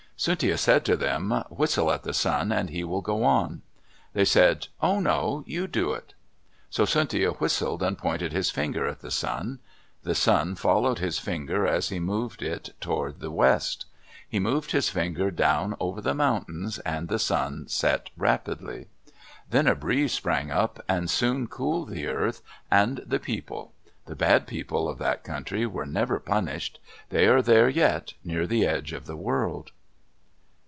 Tsuntia said to them, "Whistle at the sun, and he will go on." They said, "Oh, no. You do it." So Tsuntia whistled and pointed his finger at the sun. The sun followed his finger as he moved it toward the west. He moved his finger down over the mountains and the sun set rapidly. Then a breeze sprang up and soon cooled the earth and the people. The bad people of that country were never punished. They are there yet, near the edge of the earth.